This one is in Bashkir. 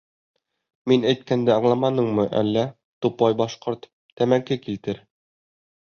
— Мин әйткәнде аңламаныңмы әллә, тупой башҡорт, тәмәке килтер.